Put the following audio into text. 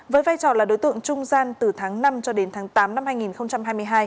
với vai trò là đối tượng trung gian từ tháng năm cho đến tháng tám năm hai nghìn hai mươi hai